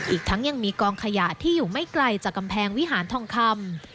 อีกทั้งยังมีกองขยะที่อยู่ไม่ไกลจากกำแพงวิหารทองคำ